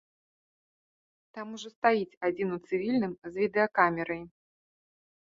Там ужо стаіць адзін у цывільным з відэакамерай.